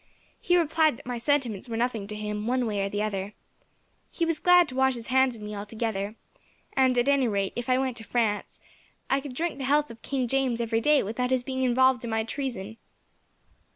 He replied that my sentiments were nothing to him, one way or the other. He was glad to wash his hands of me altogether; and, at any rate, if I went to France, I could drink the health of King James every day without his being involved in my treason."